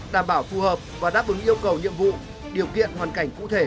đảm bảo phù hợp và đáp ứng yêu cầu nhiệm vụ điều kiện hoàn cảnh cụ thể